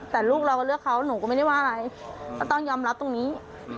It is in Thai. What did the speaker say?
แต่ลูกเราก็เลือกเขาหนูก็ไม่ได้ว่าอะไรก็ต้องยอมรับตรงนี้